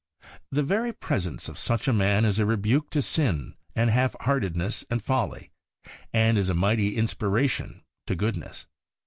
The very presence of such a man is a rebuke to sin and half hearted ness and folly, and is a mighty inspiration to goodness.